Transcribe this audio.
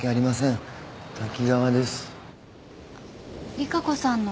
利佳子さんの。